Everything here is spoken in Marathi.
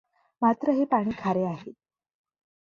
मात्र हे पाणी खारे आहे.